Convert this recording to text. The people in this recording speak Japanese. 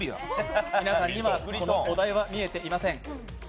皆さんにはお題は見えていません。